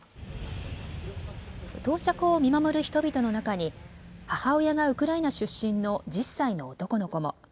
到着を見守る人々の中に、母親がウクライナ出身の１０歳の男の子も。